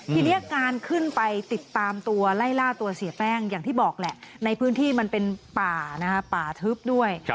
ทีนี้การขึ้นไปติดตามตัวไล่ล่าตัวเสียแป้งอย่างที่บอกแหละในพื้นที่มันเป็นป่าป่าทึบด้วย